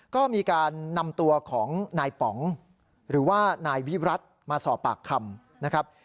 ก็มีการนำตัวของนายป๋องหรือว่านายวิรัติมาสอบปากคำนะครับ